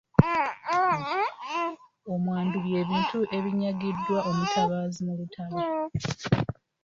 Omwandu by’ebintu ebinyagiddwa omutabaazi mu lutalo.